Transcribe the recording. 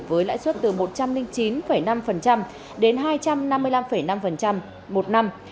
với lãi suất từ một trăm linh chín năm đến hai trăm năm mươi năm năm một năm